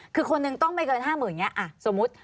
คือคนนึงต้องไม่เกินห้าหมื่นอย่างเงี้ยอ่ะสมมติ